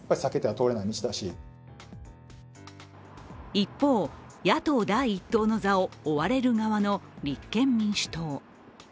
一方、野党第一党の座を追われる側の立憲民主党。